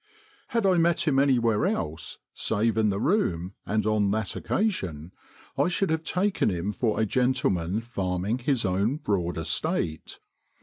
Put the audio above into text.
] "Had I met him anywhere else save in the room and on that occasion, I should have taken him for a gentleman farming his own broad estate.